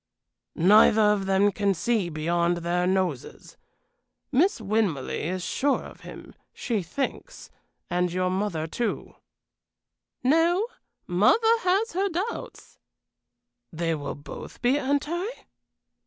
"Neither of them can see beyond their noses. Miss Winmarleigh is sure of him, she thinks and your mother, too." "No; mother has her doubts." "They will both be anti?"